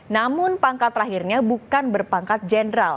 namun pangkat terakhirnya bukan berpangkat jenderal